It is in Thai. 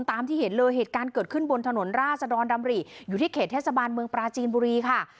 ตามที่เห็นเลยเหตุการณ์เกิดขึ้นบนถนนราชดรดำริอยู่ที่เขตเทศบาลเมืองปราจีนบุรีค่ะ